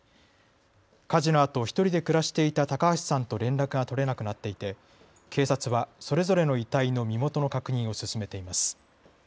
火事のあと１人で暮らしていた高橋さんと連絡が取れなくなっていて警察はそれぞれの遺体の身元の確認を進めています。